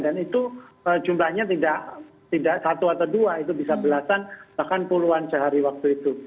dan itu jumlahnya tidak satu atau dua itu bisa belasan bahkan puluhan sehari waktu itu